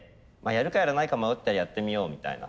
やるかやらないか迷ったらやってみようみたいな。